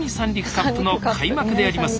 ＣＵＰの開幕であります。